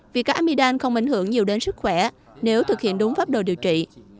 vì các amidam không ảnh hưởng nhiều đến sức khỏe nếu thực hiện đúng pháp đồ điều trị